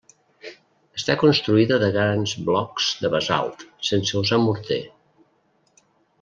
Està construïda de grans blocs de basalt, sense usar morter.